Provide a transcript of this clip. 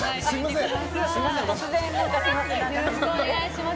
よろしくお願いします。